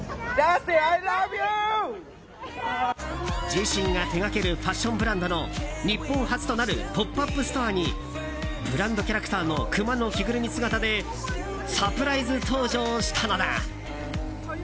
自身が手掛けるファッションブランドの日本初となるポップアップストアにブランドキャラクターのクマの着ぐるみ姿でサプライズ登場したのだ。